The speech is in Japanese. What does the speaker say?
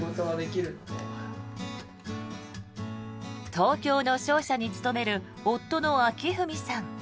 東京の商社に勤める夫の紹史さん。